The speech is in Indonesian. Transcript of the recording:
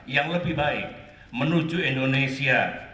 yang lebih baik menuju indonesia